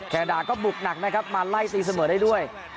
ดาก็บุกหนักนะครับมาไล่ตีเสมอได้ด้วย